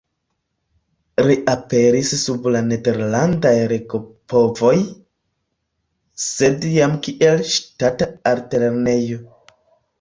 Reaperis sub la nederlandaj regopovoj, sed jam kiel ŝtata altlernejo.